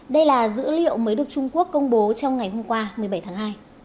đây là dữ liệu mới được trung quốc công bố trong ngày hôm qua một mươi bảy tháng hai